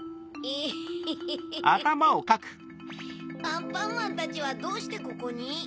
アンパンマンたちはどうしてここに？